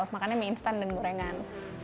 makannya mie instan dan gorengan